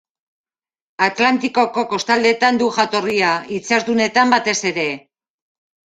Atlantikoko kostaldeetan du jatorria, itsas-dunetan batez ere.